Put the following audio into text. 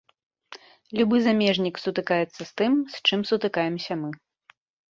Любы замежнік сутыкаецца з тым, з чым сутыкаемся мы.